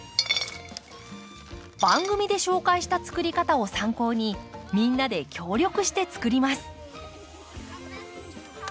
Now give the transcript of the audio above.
番組で紹介した作り方を参考にみんなで協力して作ります。